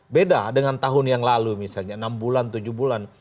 beda dengan tahun yang lalu misalnya enam bulan tujuh bulan